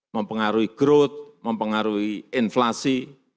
mempengaruhi growth mempengaruhi inflasi